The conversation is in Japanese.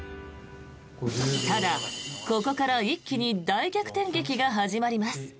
ただ、ここから一気に大逆転劇が始まります。